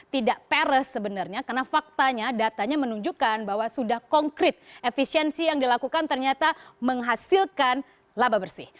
tidak peres sebenarnya karena faktanya datanya menunjukkan bahwa sudah konkret efisiensi yang dilakukan ternyata menghasilkan laba bersih